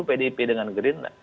pdip dengan gerinda